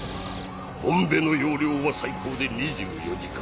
ボンベの容量は最高で２４時間。